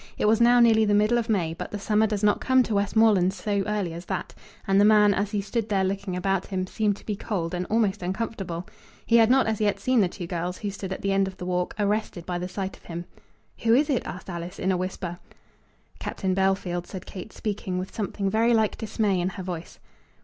It was now nearly the middle of May, but the summer does not come to Westmoreland so early as that, and the man, as he stood there looking about him, seemed to be cold and almost uncomfortable. He had not as yet seen the two girls, who stood at the end of the walk, arrested by the sight of him. "Who is it?" asked Alice, in a whisper. "Captain Bellfield," said Kate, speaking with something very like dismay in her voice.